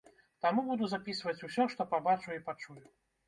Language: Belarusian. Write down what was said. Таму буду запісваць усё, што пабачу і пачую.